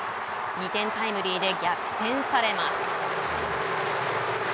２点タイムリーで逆転されます。